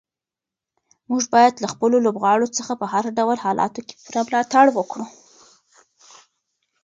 موږ باید له خپلو لوبغاړو څخه په هر ډول حالاتو کې پوره ملاتړ وکړو.